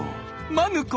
マヌ子！